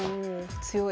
強い。